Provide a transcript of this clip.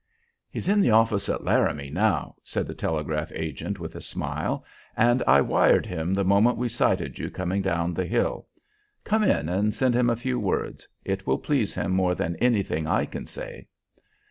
"He's in the office at Laramie now," said the telegraph agent, with a smile, "and I wired him the moment we sighted you coming down the hill. Come in and send him a few words. It will please him more than anything I can say."